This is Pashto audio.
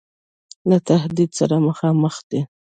له تهدید سره مخامخ دی.